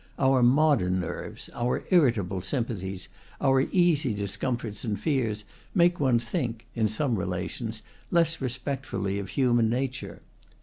Our modern nerves, our irritable sym pathies, our easy discomforts and fears, make one think (in some relations) less respectfully of human nature.